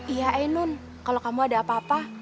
iya ainun kalau kamu ada apa apa